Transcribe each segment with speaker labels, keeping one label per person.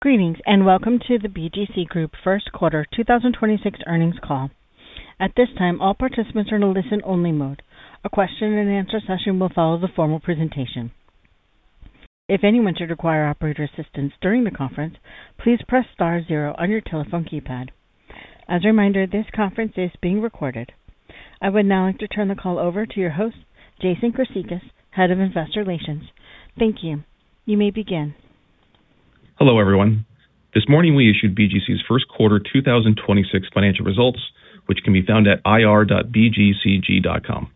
Speaker 1: Greetings, and welcome to the BGC Group first quarter 2026 earnings call. At this time, all participants are in a listen-only mode. A question and answer session will follow the formal presentation. If anyone should require operator assistance during the conference, please press star zero on your telephone keypad. As a reminder, this conference is being recorded. I would now like to turn the call over to your host, Jason Chryssicas, Head of Investor Relations. Thank you. You may begin.
Speaker 2: Hello, everyone. This morning, we issued BGC's first quarter 2026 financial results, which can be found at ir.bgcg.com.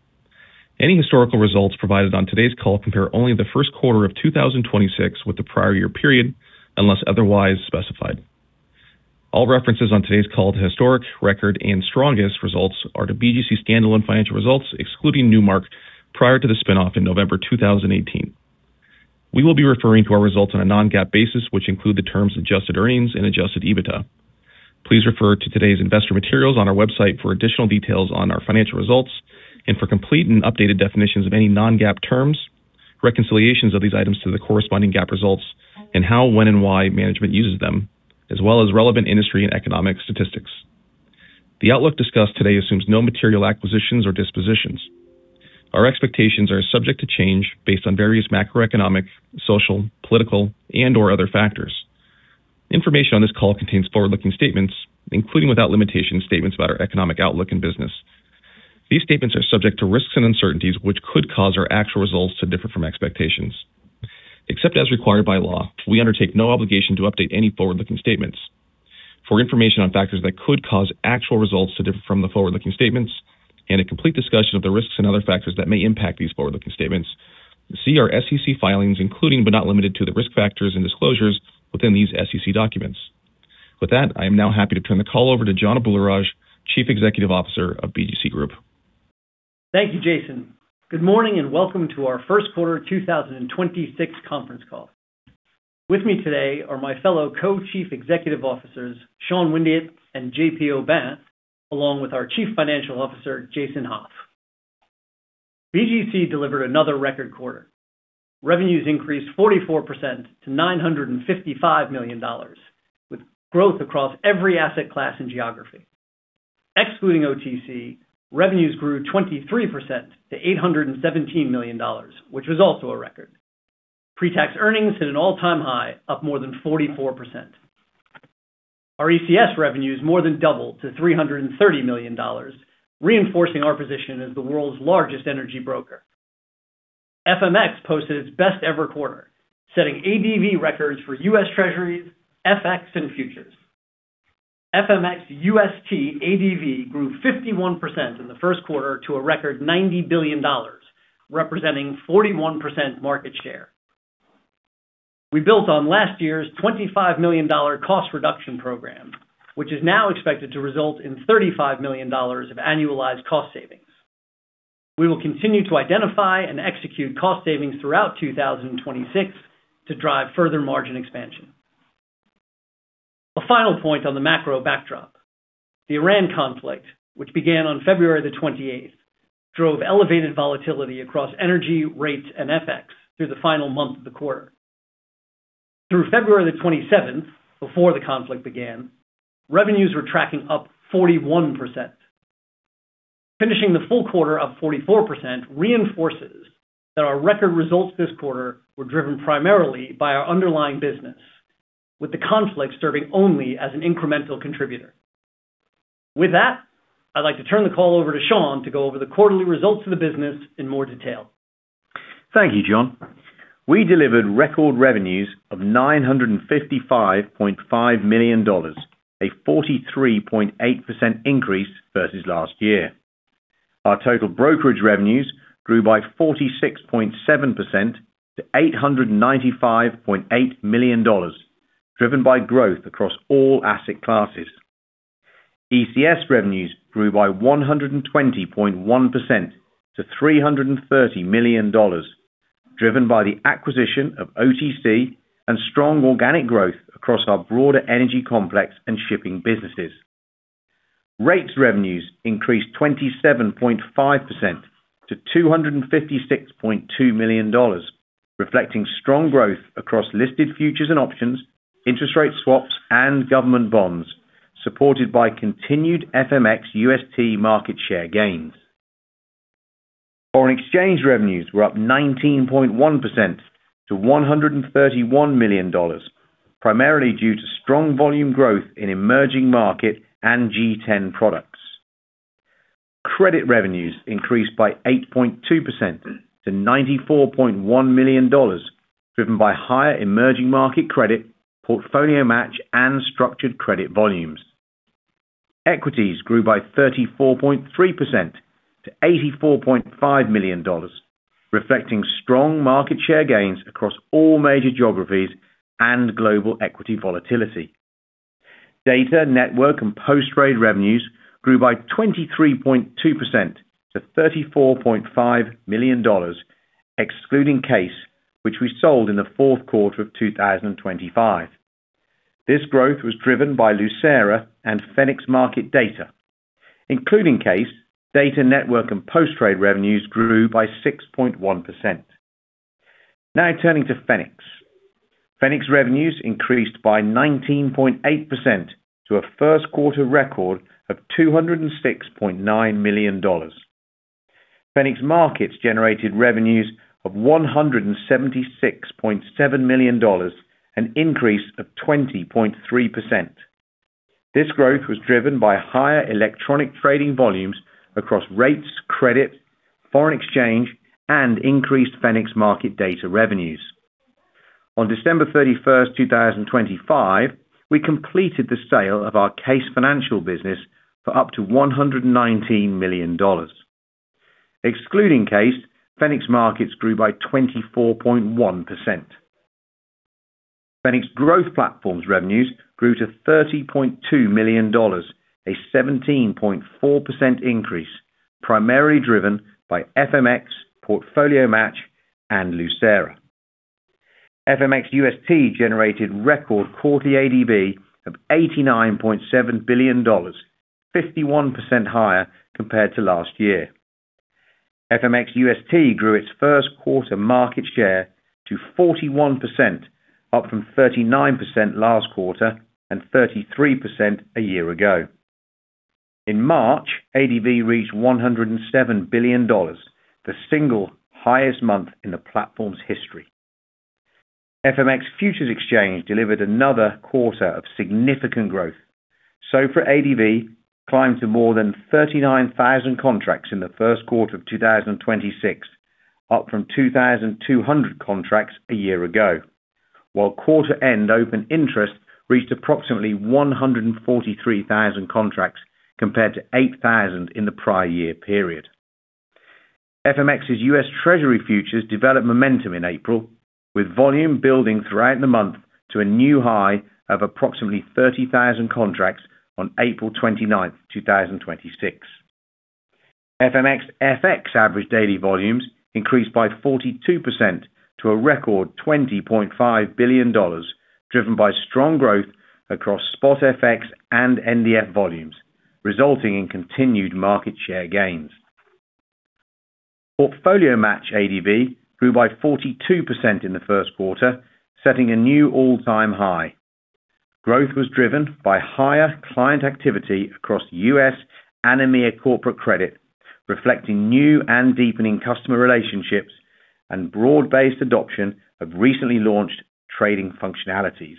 Speaker 2: Any historical results provided on today's call compare only the first quarter of 2026 with the prior year period, unless otherwise specified. All references on today's call to historic, record, and strongest results are to BGC's standalone financial results, excluding Newmark, prior to the spin-off in November 2018. We will be referring to our results on a non-GAAP basis, which include the terms adjusted earnings and adjusted EBITDA. Please refer to today's investor materials on our website for additional details on our financial results and for complete and updated definitions of any non-GAAP terms, reconciliations of these items to the corresponding GAAP results, and how, when, and why management uses them, as well as relevant industry and economic statistics. The outlook discussed today assumes no material acquisitions or dispositions. Our expectations are subject to change based on various macroeconomic, social, political, and/or other factors. Information on this call contains forward-looking statements, including, without limitation, statements about our economic outlook and business. These statements are subject to risks and uncertainties, which could cause our actual results to differ from expectations. Except as required by law, we undertake no obligation to update any forward-looking statements. For information on factors that could cause actual results to differ from the forward-looking statements and a complete discussion of the risks and other factors that may impact these forward-looking statements, see our SEC filings, including, but not limited to, the risk factors and disclosures within these SEC documents. With that, I am now happy to turn the call over to John Abularrage, Chief Executive Officer of BGC Group.
Speaker 3: Thank you, Jason. Good morning, and welcome to our first quarter 2026 conference call. With me today are my fellow Co-Chief Executive Officers, Sean Windeatt and J.P. Aubin, along with our Chief Financial Officer, Jason Hauf. BGC delivered another record quarter. Revenues increased 44% to $955 million, with growth across every asset class and geography. Excluding OTC, revenues grew 23% to $817 million, which was also a record. Pre-tax earnings hit an all-time high, up more than 44%. Our ECS revenues more than doubled to $330 million, reinforcing our position as the world's largest energy broker. FMX posted its best-ever quarter, setting ADV records for U.S. Treasuries, FX, and futures. FMX UST ADV grew 51% in the first quarter to a record $90 billion, representing 41% market share. We built on last year's $25 million cost reduction program, which is now expected to result in $35 million of annualized cost savings. We will continue to identify and execute cost savings throughout 2026 to drive further margin expansion. A final point on the macro backdrop. The Iran conflict, which began on February the 28th, drove elevated volatility across energy, rates, and FX through the final month of the quarter. Through February the 27th, before the conflict began, revenues were tracking up 41%. Finishing the full-quarter up 44% reinforces that our record results this quarter were driven primarily by our underlying business, with the conflict serving only as an incremental contributor. With that, I'd like to turn the call over to Sean to go over the quarterly results of the business in more detail.
Speaker 4: Thank you, John. We delivered record revenues of $955.5 million, a 43.8% increase versus last year. Our total brokerage revenues grew by 46.7% to $895.8 million, driven by growth across all asset classes. ECS revenues grew by 120.1% to $330 million, driven by the acquisition of OTC and strong organic growth across our broader energy complex and shipping businesses. Rates revenues increased 27.5% to $256.2 million, reflecting strong growth across listed futures and options, interest rate swaps, and government bonds, supported by continued FMX UST market share gains. Foreign exchange revenues were up 19.1% to $131 million, primarily due to strong volume growth in emerging market and G10 products. Credit revenues increased by 8.2% to $94.1 million, driven by higher emerging market credit, PortfolioMatch, and structured credit volumes. Equities grew by 34.3% to $84.5 million, reflecting strong market share gains across all major geographies and global equity volatility. Data, network, and post-trade revenues grew by 23.2% to $34.5 million, excluding KACE, which we sold in the fourth quarter of 2025. This growth was driven by Lucera and Fenics Market Data. Including KACE, data network and post-trade revenues grew by 6.1%. Now turning to Fenics. Fenics revenues increased by 19.8% to a first quarter record of $206.9 million. Fenics Markets generated revenues of $176.7 million, an increase of 20.3%. This growth was driven by higher electronic trading volumes across rates, credit, foreign exchange, and increased Fenics Market Data revenues. On December 31, 2025, we completed the sale of our KACE business for up to $119 million. Excluding KACE, Fenics Markets grew by 24.1%. Fenics Growth Platforms revenues grew to $30.2 million, a 17.4% increase, primarily driven by FMX, PortfolioMatch, and Lucera. FMX UST generated record quarterly ADV of $89.7 billion, 51% higher compared to last year. FMX UST grew its first quarter market share to 41%, up from 39% last quarter and 33% a year ago. In March, ADV reached $107 billion, the single highest month in the platform's history. FMX Futures Exchange delivered another quarter of significant growth. SOFR ADV climbed to more than 39,000 contracts in the first quarter of 2026, up from 2,200 contracts a year ago. While quarter-end open interest reached approximately 143,000 contracts compared to 8,000 in the prior year period. FMX's US Treasury Futures developed momentum in April, with volume building throughout the month to a new high of approximately 30,000 contracts on April 29th, 2026. FMX FX average daily volumes increased by 42% to a record $20.5 billion, driven by strong growth across Spot FX and NDF volumes, resulting in continued market share gains. PortfolioMatch ADV grew by 42% in the first quarter, setting a new all-time high. Growth was driven by higher client activity across U.S. and EMEA corporate credit, reflecting new and deepening customer relationships and broad-based adoption of recently launched trading functionalities.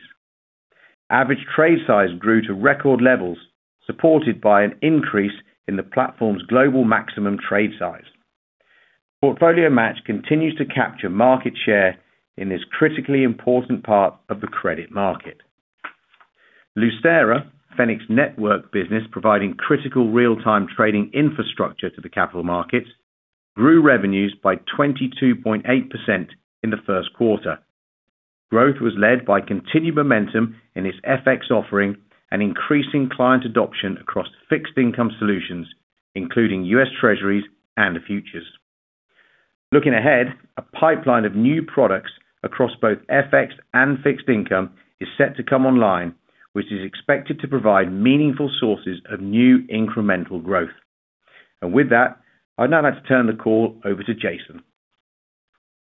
Speaker 4: Average trade size grew to record levels, supported by an increase in the platform's global maximum trade size. PortfolioMatch continues to capture market share in this critically important part of the credit market. Lucera, Fenics network business providing critical real-time trading infrastructure to the capital markets, grew revenues by 22.8% in the first quarter. Growth was led by continued momentum in its FX offering and increasing client adoption across fixed income solutions, including U.S. Treasuries and the futures. Looking ahead, a pipeline of new products across both FX and fixed income is set to come online, which is expected to provide meaningful sources of new incremental growth. With that, I'd now like to turn the call over to Jason.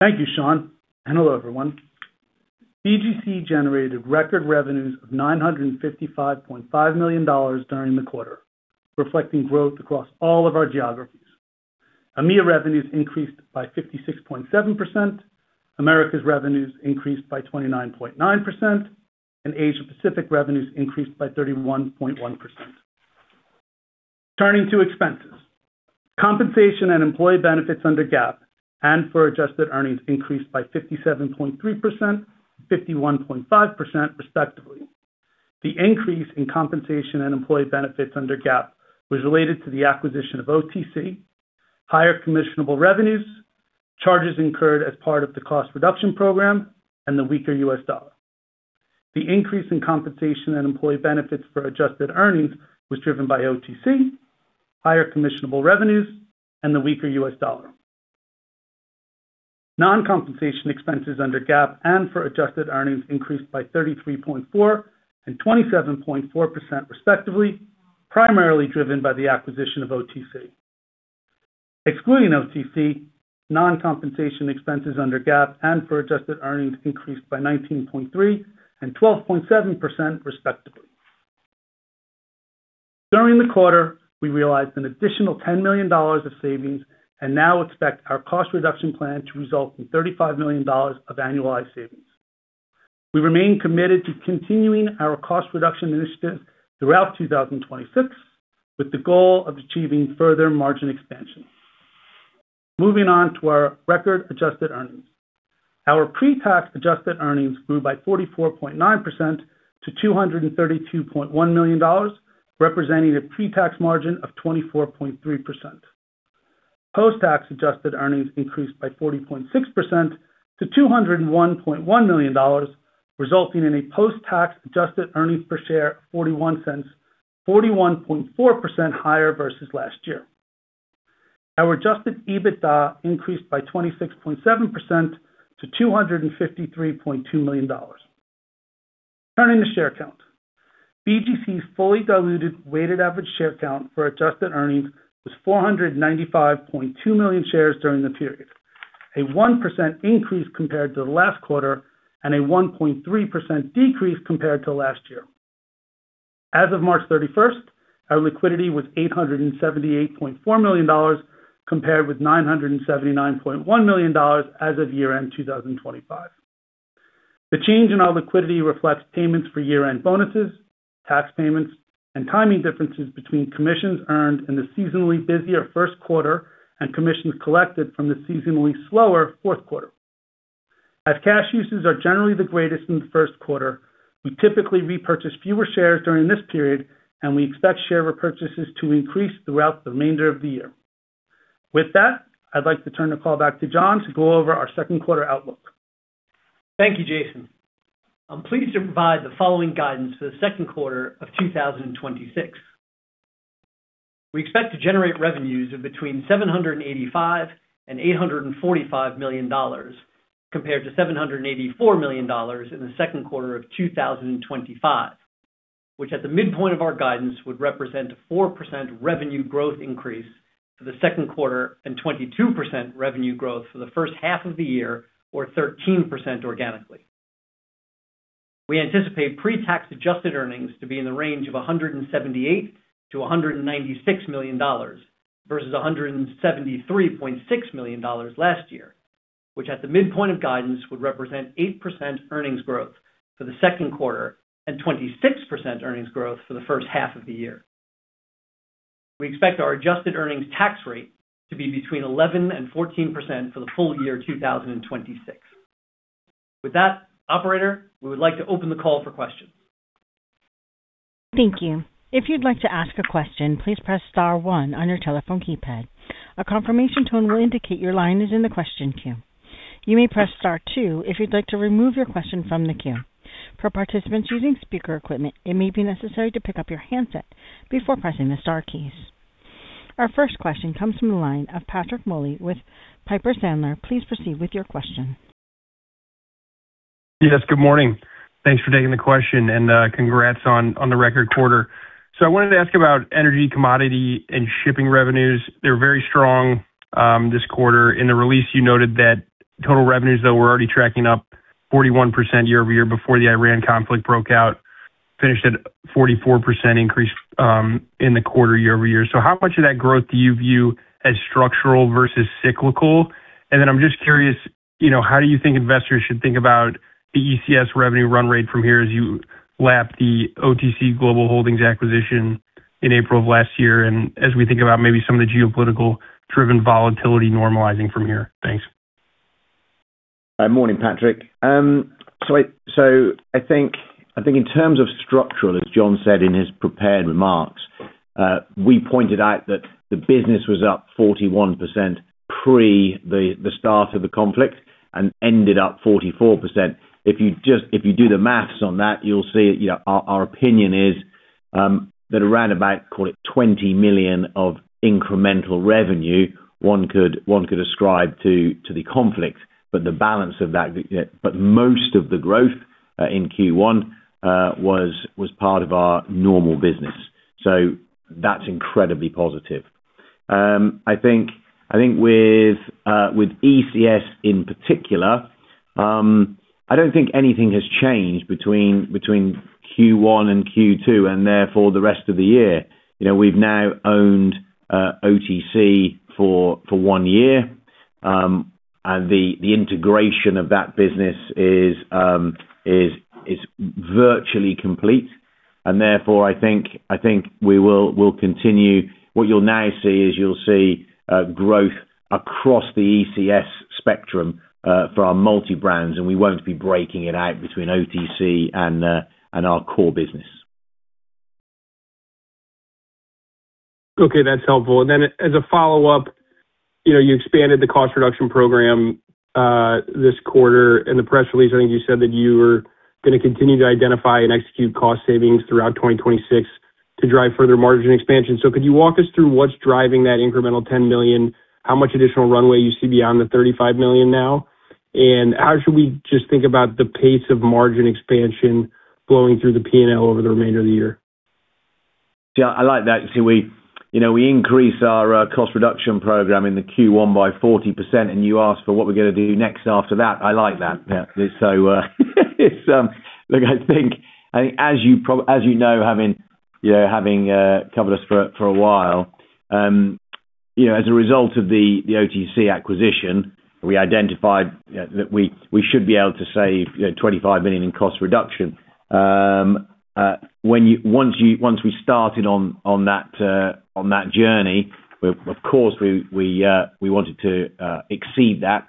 Speaker 5: Thank you, Sean. Hello, everyone. BGC generated record revenues of $955.5 million during the quarter, reflecting growth across all of our geographies. EMEA revenues increased by 56.7%, Americas revenues increased by 29.9%, and Asia Pacific revenues increased by 31.1%. Turning to expenses. Compensation and employee benefits under GAAP and for adjusted earnings increased by 57.3%, 51.5%, respectively. The increase in compensation and employee benefits under GAAP was related to the acquisition of OTC, higher commissionable revenues, charges incurred as part of the cost reduction program, and the weaker U.S. dollar. The increase in compensation and employee benefits for adjusted earnings was driven by OTC, higher commissionable revenues, and the weaker U.S. dollar. Non-compensation expenses under GAAP and for adjusted earnings increased by 33.4% and 27.4% respectively, primarily driven by the acquisition of OTC. Excluding OTC, non-compensation expenses under GAAP and for adjusted earnings increased by 19.3% and 12.7% respectively. During the quarter, we realized an additional $10 million of savings and now expect our cost reduction plan to result in $35 million of annualized savings. We remain committed to continuing our cost reduction initiative throughout 2026, with the goal of achieving further margin expansion. Moving on to our record adjusted earnings. Our pre-tax adjusted earnings grew by 44.9% to $232.1 million, representing a pre-tax margin of 24.3%. Post-tax adjusted earnings increased by 40.6% to $201.1 million, resulting in a post-tax adjusted earnings per share of $0.41, 41.4% higher versus last year. Our adjusted EBITDA increased by 26.7% to $253.2 million. Turning to share count. BGC's fully diluted weighted average share count for adjusted earnings was 495.2 million shares during the period, a 1% increase compared to the last quarter and a 1.3% decrease compared to last year. As of March 31st, our liquidity was $878.4 million compared with $979.1 million as of year-end 2025. The change in our liquidity reflects payments for year-end bonuses, tax payments, and timing differences between commissions earned in the seasonally busier first quarter and commissions collected from the seasonally slower fourth quarter. As cash uses are generally the greatest in the first quarter, we typically repurchase fewer shares during this period, and we expect share repurchases to increase throughout the remainder of the year. With that, I'd like to turn the call back to John to go over our second quarter outlook.
Speaker 3: Thank you, Jason. I'm pleased to provide the following guidance for the second quarter of 2026. We expect to generate revenues of between $785 million and $845 million compared to $784 million in the second quarter of 2025, which at the midpoint of our guidance, would represent a 4% revenue growth increase for the second quarter and 22% revenue growth for the first half of the year, or 13% organically. We anticipate pre-tax adjusted earnings to be in the range of $178 million to $196 million versus $173.6 million last year, which at the midpoint of guidance, would represent 8% earnings growth for the second quarter and 26% earnings growth for the first half of the year. We expect our adjusted earnings tax rate to be between 11% and 14% for the full-year 2026. With that, operator, we would like to open the call for questions.
Speaker 1: Thank you. If you want to ask a question please press star one on your telephone keypad. A confirmation tone will indicate your line is in the question queue. You may press star two if you want to remove your question from the queue. For participants using speaker equipments, you may need assistance to pick up your handset before pressing the star key. Our first question comes from the line of Patrick Moley with Piper Sandler. Please proceed with your question.
Speaker 6: Yes, good morning. Thanks for taking the question and congrats on the record quarter. I wanted to ask about energy, commodity, and shipping revenues. They were very strong this quarter. In the release, you noted that total revenues, though, were already tracking up 41% year-over-year before the Iran conflict broke out. Finished at 44% increase in the quarter year-over-year. How much of that growth do you view as structural versus cyclical? Then I'm just curious, you know, how do you think investors should think about the ECS revenue run rate from here as you lap the OTC Global Holdings acquisition in April of last year and as we think about maybe some of the geopolitical-driven volatility normalizing from here? Thanks.
Speaker 4: Morning, Patrick. I think in terms of structural, as John said in his prepared remarks, we pointed out that the business was up 41% pre the start of the conflict and ended up 44%. If you do the maths on that, you'll see, you know, our opinion is that around about, call it $20 million of incremental revenue, one could ascribe to the conflict. But most of the growth in Q1 was part of our normal business. That's incredibly positive. I think with ECS in particular, I don't think anything has changed between Q1 and Q2, and therefore the rest of the year. You know, we've now owned OTC for one year. The integration of that business is virtually complete. Therefore, I think we'll continue. What you'll now see is growth across the ECS spectrum for our multi-brands. We won't be breaking it out between OTC and our core business.
Speaker 6: Okay, that's helpful. As a follow-up, you know, you expanded the cost reduction program this quarter. In the press release, I think you said that you were gonna continue to identify and execute cost savings throughout 2026 to drive further margin expansion. Could you walk us through what's driving that incremental $10 million, how much additional runway you see beyond the $35 million now? How should we just think about the pace of margin expansion flowing through the P&L over the remainder of the year?
Speaker 4: Yeah, I like that. You see, we, you know, we increase our cost reduction program in the Q1 by 40%, and you ask for what we're gonna do next after that. I like that. Yeah. Look, I think as you know, having, you know, having covered us for a while, you know, as a result of the OTC acquisition, we identified, you know, that we should be able to save, you know, $25 million in cost reduction. Once we started on that journey, we of course we wanted to exceed that.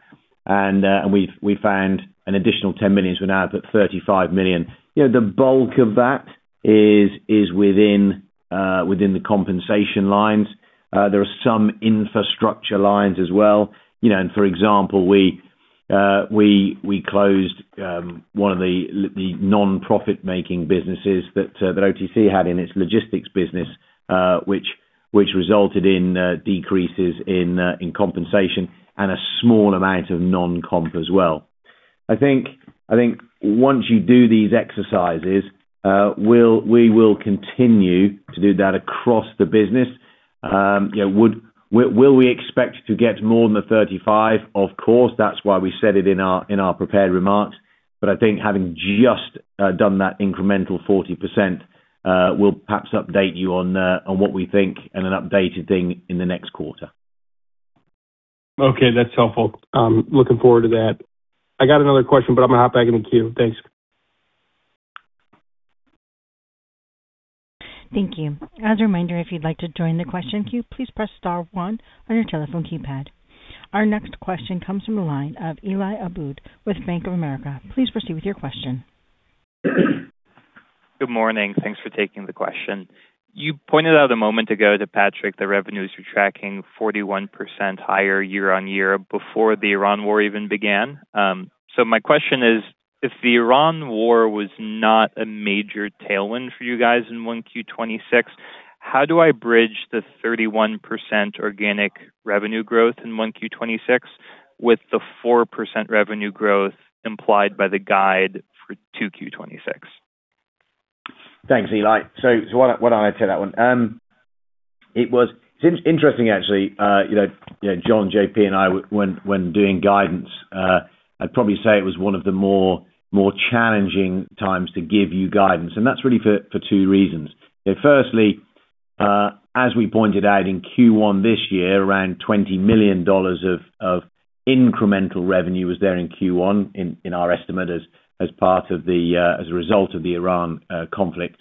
Speaker 4: We found an additional $10 million, so we're now up at $35 million. You know, the bulk of that is within the compensation lines. There are some infrastructure lines as well. You know, for example, we closed one of the non-profit making businesses that OTC had in its logistics business, which resulted in decreases in compensation and a small amount of non-comp as well. I think once you do these exercises, we will continue to do that across the business. You know, will we expect to get more than the 35? Of course, that's why we said it in our prepared remarks. I think having just done that incremental 40%, we'll perhaps update you on what we think and an updated thing in the next quarter.
Speaker 6: Okay. That's helpful. I'm looking forward to that. I got another question, but I'm gonna hop back in the queue. Thanks.
Speaker 1: Thank you. As a reminder, if you'd like to join the question queue, please press star one on your telephone keypad. Our next question comes from the line of Elias Abboud with Bank of America. Please proceed with your question.
Speaker 7: Good morning. Thanks for taking the question. You pointed out a moment ago to Patrick that revenues were tracking 41% higher year-on-year before the Liberation Day even began. My question is, if the Liberation Day was not a major tailwind for you guys in 1Q 2026, how do I bridge the 31% organic revenue growth in 1Q 2026 with the 4% revenue growth implied by the guide for 2Q 2026?
Speaker 4: Thanks, Eli. Why don't I take that one? It's interesting actually, you know, John, JP, and I when doing guidance, I'd probably say it was one of the more challenging times to give you guidance. That's really for two reasons. Firstly, as we pointed out in Q1 this year, around $20 million of incremental revenue was there in Q1 in our estimate as a result of the Iran conflict.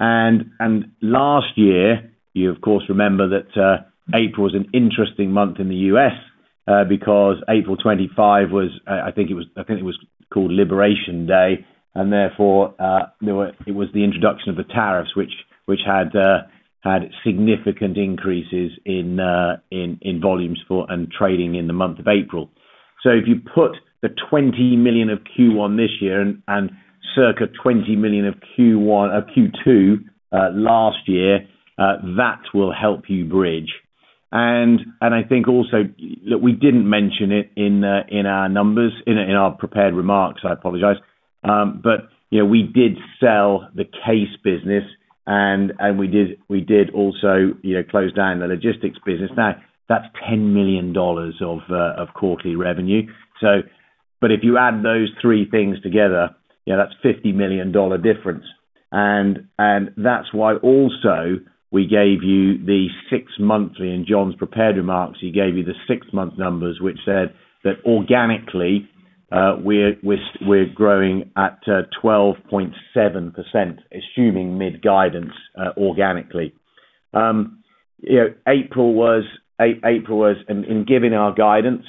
Speaker 4: Last year, you of course remember that April is an interesting month in the U.S. because April 25 was, I think it was called Liberation Day, and therefore, it was the introduction of the tariffs which had significant increases in volumes and trading in the month of April. If you put the $20 million of Q1 this year and circa $20 million of Q2 last year, that will help you bridge. I think also, look, we didn't mention it in our numbers, in our prepared remarks, I apologize. You know, we did sell the KACE business and we did also, you know, close down the logistics business. That's $10 million of quarterly revenue. If you add those three things together, you know, that's $50 million difference. That's why also we gave you the six-month, in John's prepared remarks, he gave you the six-month numbers, which said that organically, we're growing at 12.7%, assuming mid-guidance, organically. You know, April was in giving our guidance,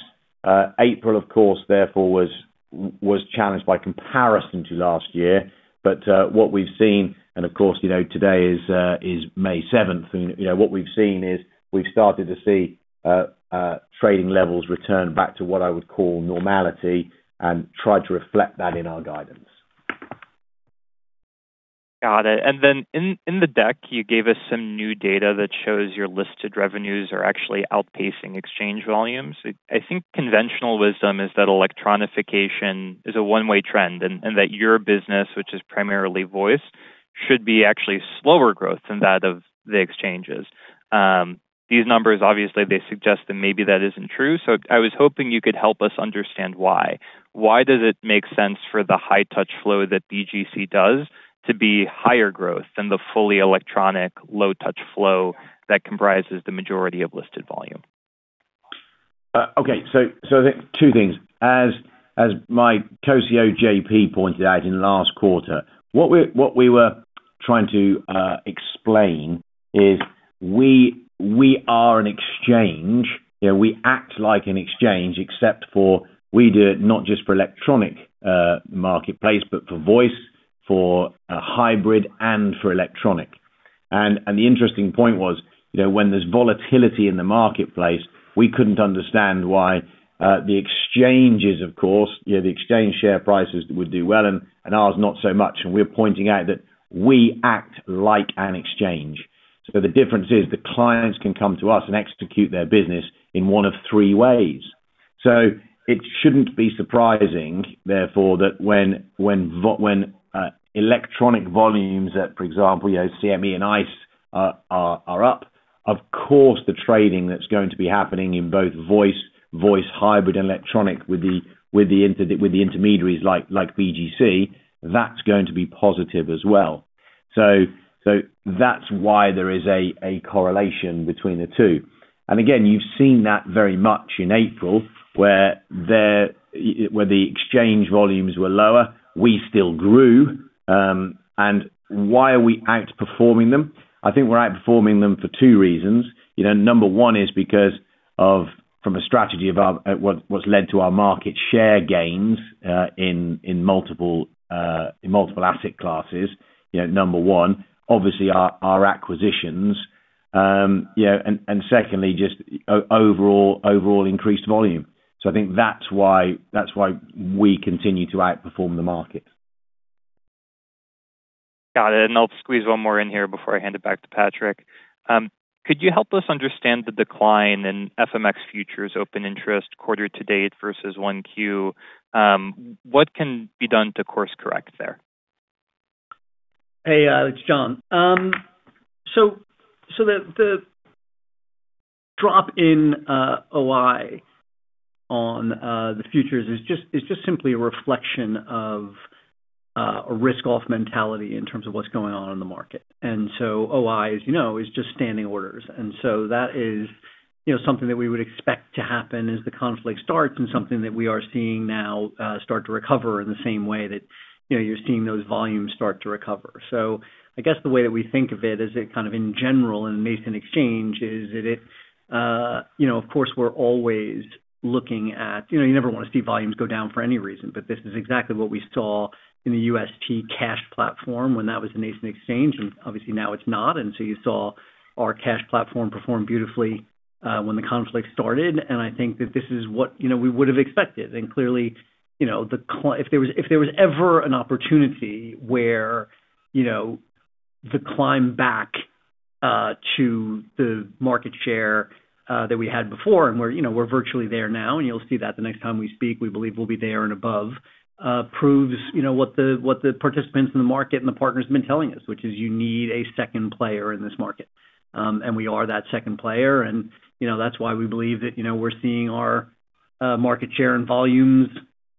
Speaker 4: April, of course, therefore was challenged by comparison to last year. What we've seen and of course, you know, today is May 7th, and, you know, what we've seen is we've started to see trading levels return back to what I would call normality and try to reflect that in our guidance.
Speaker 7: Got it. In the deck, you gave us some new data that shows your listed revenues are actually outpacing exchange volumes. I think conventional wisdom is that electronification is a one-way trend and that your business, which is primarily voice, should be actually slower growth than that of the exchanges. These numbers, obviously, they suggest that maybe that isn't true. I was hoping you could help us understand why. Why does it make sense for the high touch flow that BGC does to be higher growth than the fully electronic low touch flow that comprises the majority of listed volume?
Speaker 4: Okay. I think two things. As my Co-CEO, J.P., pointed out in the last quarter, what we were trying to explain is we are an exchange. You know, we act like an exchange except for we do it not just for electronic marketplace, but for voice, for hybrid, and for electronic. The interesting point was, you know, when there's volatility in the marketplace, we couldn't understand why the exchanges, of course, you know, the exchange share prices would do well and ours not so much. We're pointing out that we act like an exchange. The difference is the clients can come to us and execute their business in one of three ways. It shouldn't be surprising, therefore, that when electronic volumes that, for example, you know, CME and ICE are up, of course, the trading that's going to be happening in both voice hybrid and electronic with the intermediaries like BGC, that's going to be positive as well. That's why there is a correlation between the two. Again, you've seen that very much in April, where the exchange volumes were lower, we still grew. Why are we outperforming them? I think we're outperforming them for two reasons. You know, number one is because of what's led to our market share gains in multiple asset classes. You know, number one, obviously our acquisitions Yeah, and secondly, just overall increased volume. I think that's why, that's why we continue to outperform the market.
Speaker 7: Got it. I'll squeeze one more in here before I hand it back to Patrick. Could you help us understand the decline in FMX futures open interest quarter to date versus 1Q? What can be done to course-correct there?
Speaker 3: Hey, it's John. The drop in OI on the futures it's just simply a reflection of a risk-off mentality in terms of what's going on in the market. OI, as you know, is just standing orders. That is, you know, something that we would expect to happen as the conflict starts and something that we are seeing now, start to recover in the same way that, you know, you're seeing those volumes start to recover. I guess the way that we think of it is it kind of in general, in nascent exchange, is that it, you know, of course, we're always looking at, you know, you never wanna see volumes go down for any reason, but this is exactly what we saw in the UST cash platform when that was in nascent exchange, and obviously now it's not. You saw our cash platform perform beautifully when the conflict started. I think that this is what, you know, we would have expected. Clearly, you know, if there was ever an opportunity where, you know, the climb back to the market share that we had before and we're, you know, we're virtually there now, and you'll see that the next time we speak, we believe we'll be there and above, proves, you know, what the, what the participants in the market and the partners have been telling us, which is you need a second player in this market. We are that second player. You know, that's why we believe that, you know, we're seeing our market share and volumes,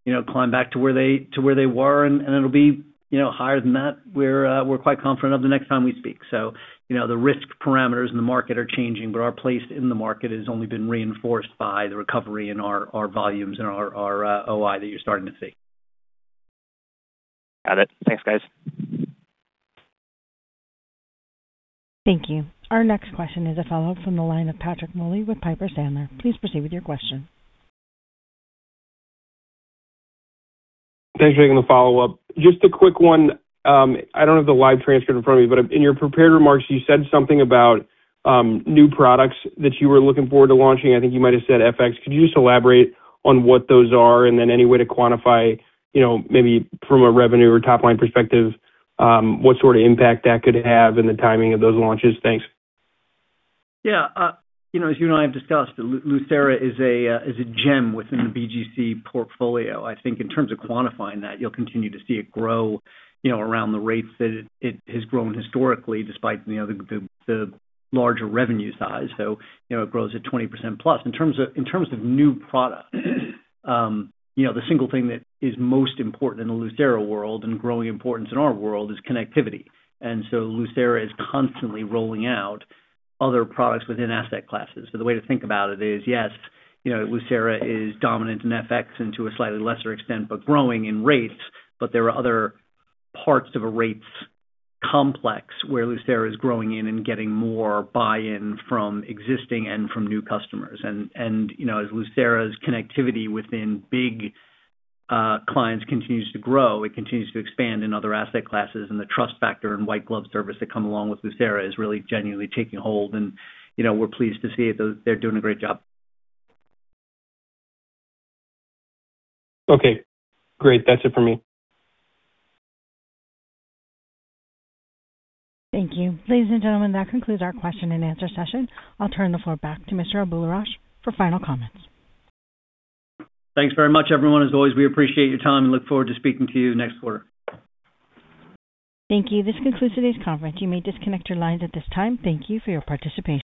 Speaker 3: you know, climb back to where they were, and it'll be, you know, higher than that, we're quite confident of the next time we speak. You know, the risk parameters in the market are changing, but our place in the market has only been reinforced by the recovery in our volumes and our OI that you're starting to see.
Speaker 7: Got it. Thanks, guys.
Speaker 1: Thank you. Our next question is a follow-up from the line of Patrick Moley with Piper Sandler. Please proceed with your question.
Speaker 6: Thanks for taking the follow-up. Just a quick one. I don't have the live transcript in front of me, but in your prepared remarks, you said something about new products that you were looking forward to launching. I think you might have said FX. Could you just elaborate on what those are and then any way to quantify, you know, maybe from a revenue or top-line perspective, what sort of impact that could have and the timing of those launches? Thanks.
Speaker 3: You know, as you and I have discussed, Lucera is a gem within the BGC portfolio. I think in terms of quantifying that, you'll continue to see it grow, you know, around the rates that it has grown historically despite, you know, the larger revenue size. You know, it grows at 20%+. In terms of new products, you know, the single thing that is most important in the Lucera world and growing importance in our world is connectivity. Lucera is constantly rolling out other products within asset classes. The way to think about it is, yes, you know, Lucera is dominant in FX and to a slightly lesser extent, but growing in rates, but there are other parts of a rates complex where Lucera is growing in and getting more buy-in from existing and from new customers. As Lucera's connectivity within big clients continues to grow, it continues to expand in other asset classes, and the trust factor and white glove service that come along with Lucera is really genuinely taking hold. We're pleased to see it. They're doing a great job.
Speaker 6: Okay, great. That's it for me.
Speaker 1: Thank you. Ladies and gentlemen, that concludes our question-and-answer session. I'll turn the floor back to Mr. Abularrage for final comments.
Speaker 3: Thanks very much, everyone. As always, we appreciate your time and look forward to speaking to you next quarter.
Speaker 1: Thank you. This concludes today's conference. You may disconnect your lines at this time. Thank you for your participation.